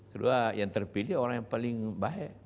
kedua yang terpilih orang yang paling baik